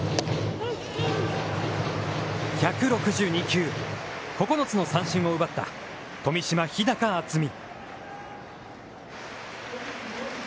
１６２球、９つの三振を奪った富島、日高暖己。